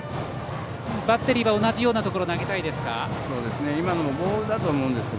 バッテリーは同じようなところ投げたいですか？